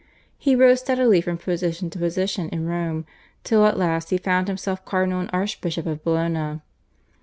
He rose steadily from position to position in Rome till at last he found himself cardinal and Archbishop of Bologna.